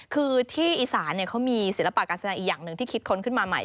คือที่อีสานเขามีศิลปะการแสดงอีกอย่างหนึ่งที่คิดค้นขึ้นมาใหม่